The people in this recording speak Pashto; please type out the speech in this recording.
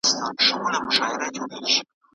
¬ د مور نس بوخچه ده.